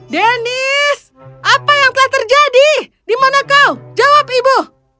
dennis apa yang telah terjadi di mana kau jawab ibu